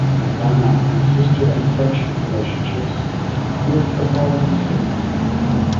Obama has sister and friendship relationships with the following cities.